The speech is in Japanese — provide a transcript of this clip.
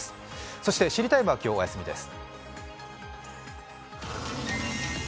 そして「知りＴＩＭＥ，」は今日お休みです。